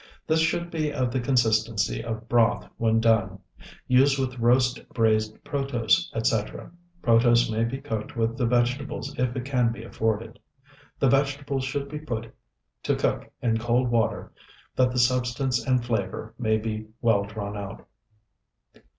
This should be of the consistency of broth when done. Use with roast braized protose, etc. Protose may be cooked with the vegetables if it can be afforded. The vegetables should be put to cook in cold water that the substance and flavor may be well drawn out.